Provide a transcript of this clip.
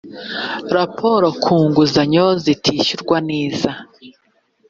raporo ku nguzanyo zitishyurwa neza